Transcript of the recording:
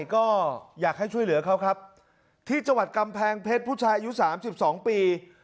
ก็อยากให้ช่วยเหลือเขาครับที่จังหวัดกำแพงเพชรผู้ชายอายุ๓๒ปี